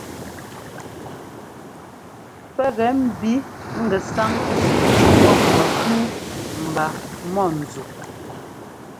Pɛ́ gɛ ḿbi ŋgɛsáŋ pɔ́p mɛkúu mba mɔ̂nzu.